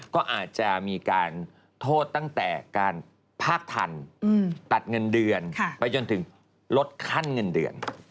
ก็อาจจะมีการโทษตั้งแต่การภาคทันตัดเงินเดือนไปจนถึงลดขั้นเงินเดือน